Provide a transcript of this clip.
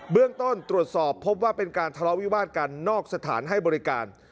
เรื่องต้นตรวจสอบพบว่าเป็นการทะเลาะวิวาสกันนอกสถานให้บริการ